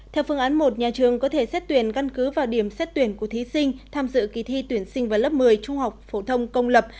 theo phương án một nhà trường có thể xét tuyển găn cứ vào điểm xét tuyển của thí sinh tham dự kỳ thi tuyển sinh vào lớp một mươi trung học phổ thông công lập